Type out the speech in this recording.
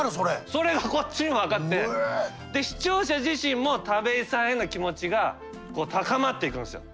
それがこっちにも分かって視聴者自身も田部井さんへの気持ちが高まっていくんですよ。